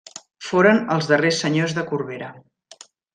Foren els darrers senyors de Corbera.